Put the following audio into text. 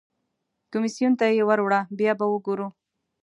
کمیسیون ته یې ور وړه بیا به وګورو.